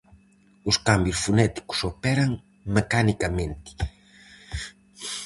Os cambios fonéticos operan mecanicamente.